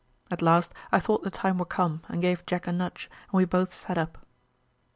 At last I thought the time were come and gave Jack a nudge, and we both sat up.